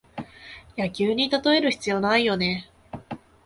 野球にたとえる必要ないよね